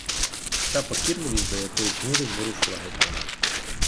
Ця покірливість до якоїсь міри зворушила гетьмана.